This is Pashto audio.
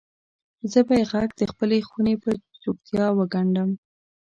زه به یې ږغ دخپلې خونې پر چوپتیا وګنډم